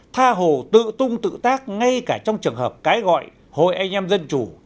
tha hồ tự tung tự tác ngay cả trong trường hợp cái gọi hội anh em dân chủ